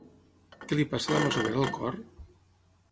Què li passa a la masovera al cor?